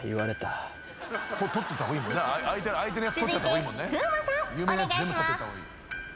続いて風磨さんお願いします。